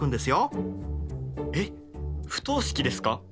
えっ不等式ですか？